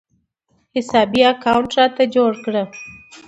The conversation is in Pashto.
حساب پې اکاونټ راته جوړ کړه